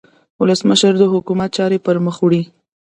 ولسمشر د حکومت چارې پرمخ وړي.